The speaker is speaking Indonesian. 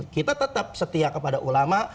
kita tetap setia kepada ulama